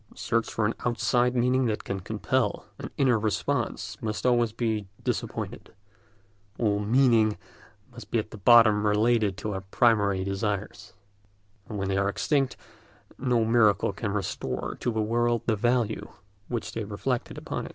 The search for an outside meaning that can compel an inner response must always be disappointed: all "meaning" must be at bottom related to our primary desires, and when they are extinct no miracle can restore to the world the value which they reflected upon it.